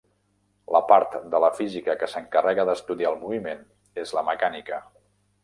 La part de la física que s'encarrega d'estudiar el moviment és la mecànica.